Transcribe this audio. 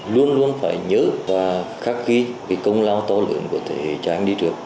luôn luôn phải nhớ và khắc ghi công lao to lượng của thế giới trang đi trước